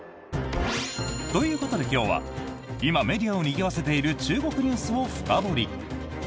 ということで今日は今、メディアをにぎわせている中国ニュースを深掘り。